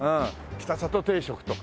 北里定食とか。